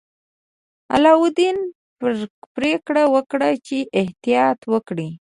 علاوالدین پریکړه وکړه چې احتیاط وکړي.